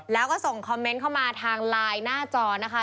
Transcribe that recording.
แล้วก็ส่งคอมเมนต์เข้ามาทางไลน์หน้าจอนะคะ